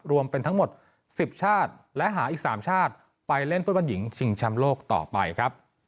รวมเป็นทั้งหมด๑๐ชาติและหาอีก๓ชาติไปเล่นฟุตบอลหญิงชิงแชมป์โลกต่อไปครับ